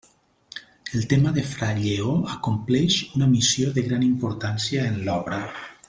El tema de fra Lleó acompleix una missió de gran importància en l'obra.